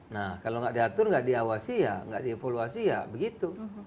nah kalau nggak diatur nggak diawasi ya nggak dievaluasi ya begitu